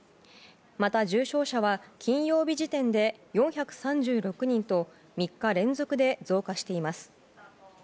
また重症者は金曜日時点で４３６人と３日連続で増加しています。